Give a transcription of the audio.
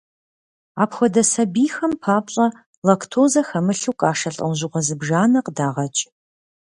Апхуэдэ сабийхэм папщӀэ лактозэ хэмылъу кашэ лӀэужьыгъуэ зыбжанэ къыдагъэкӀ.